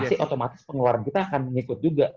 pasti otomatis pengeluaran kita akan mengikut juga